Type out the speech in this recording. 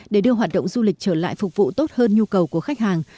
để đưa hoạt động du lịch trở lại phục vụ tốt hơn nhu cầu của khách hàng